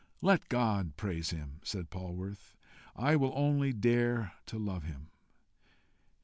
"Let God praise him!" said Polwarth; "I will only dare to love him."